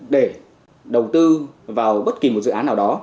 để đầu tư vào bất kỳ một dự án nào đó